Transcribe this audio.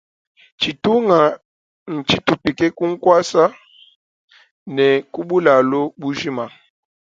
Tshitunga ntshi tupika ku ngwasa ne ku bulalu bu ntshima.